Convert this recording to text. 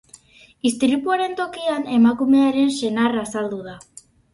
Istripuaren tokian emakumearen senarra azaldu da.